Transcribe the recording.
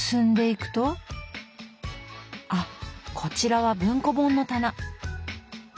あこちらは文庫本の棚。